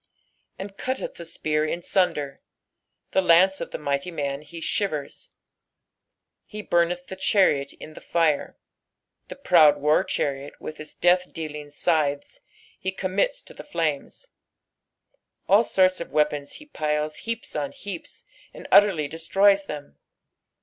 "And eiUteth the near in mnder" — Che lauce of the mighty man he Rivera, "fe btimeth the ehariot in the Jire"— the proud war chariot with its death dealing scythes he commits to the flnmes. All sorts of weapons he piles heaps on heaps, and utterly destroys them.